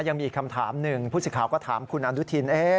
ยังมีอีกคำถามหนึ่งผู้สิทธิ์ก็ถามคุณอนุทิน